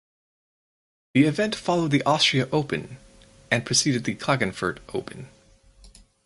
The event followed the Austria Open and preceded the Klagenfurt Open.